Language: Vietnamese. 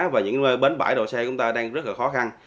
và những bến bãi độ xe của chúng ta đang rất là khó khăn